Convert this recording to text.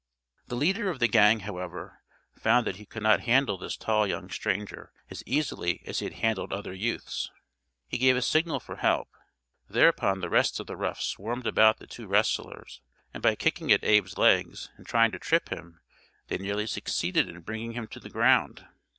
The leader of the gang, however, found that he could not handle this tall young stranger as easily as he had handled other youths. He gave a signal for help. Thereupon the rest of the roughs swarmed about the two wrestlers and by kicking at Abe's legs and trying to trip him they nearly succeeded in bringing him to the ground.